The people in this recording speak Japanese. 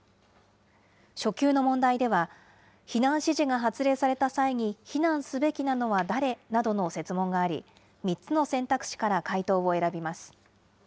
初級の問題では、避難指示が発令された際に、避難すべきなのは誰？などの設問があり、３つの選択肢から解答を選びます。